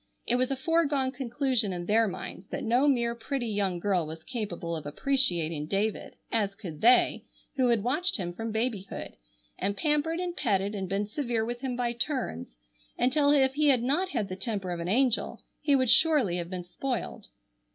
It was a foregone conclusion in their minds that no mere pretty young girl was capable of appreciating David, as could they, who had watched him from babyhood, and pampered and petted and been severe with him by turns, until if he had not had the temper of an angel he would surely have been spoiled.